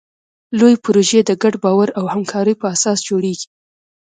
لویې پروژې د ګډ باور او همکارۍ په اساس جوړېږي.